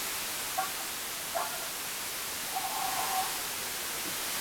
পরে ফেনী শহর থেকে ফায়ার সার্ভিসের কর্মীরা ঘটনাস্থলে গিয়ে আগুন নিয়ন্ত্রণে আনেন।